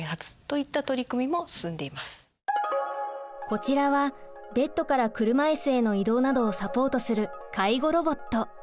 こちらはベッドから車椅子への移動などをサポートする介護ロボット。